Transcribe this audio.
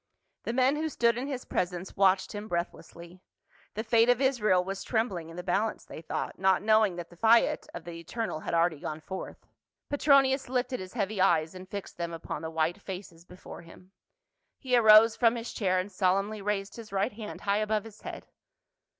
The men who stood in his presence watched him breathlessly ; the fate of Israel was trembling in the balance, they thought, not knowing that the fiat of the Eternal had already gone forth. Petronius lifted his heavy eyes and fixed them upon the white faces before him ; he arose from his chair and solemnly raised his right hand high above his head.